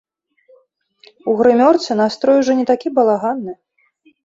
У грымёрцы настрой ужо не такі балаганны.